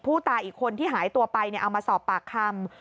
ผู้ตายอีกคนที่หายตัวไปเอามาสอบปากคำ